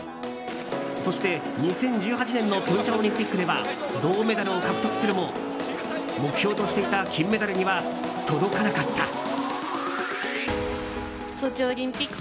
そして、２０１８年の平昌オリンピックでは銅メダルを獲得するも目標としていた金メダルには届かなかった。